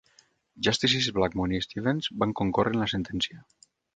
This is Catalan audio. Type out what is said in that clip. Justices Blackmun i Stevens van concórrer en la sentència.